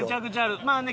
まあね